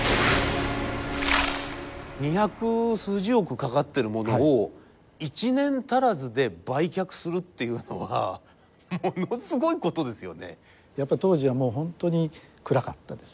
二百数十億かかってるものを１年足らずで売却するっていうのはものすごいことですよね。